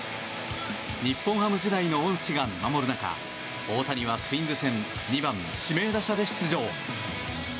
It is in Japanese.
日本ハム時代の恩師が見守る中大谷はツインズ戦２番指名打者で出場。